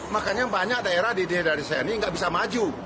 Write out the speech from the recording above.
makanya banyak daerah di daerah desa ini nggak bisa maju